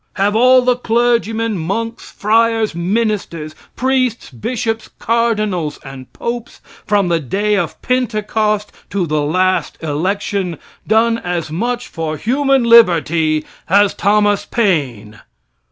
Have all the clergymen, monks, friars, ministers, priests, bishops, cardinals and popes, from the day of Pentecost to the last election, done as much for human liberty as Thomas Paine?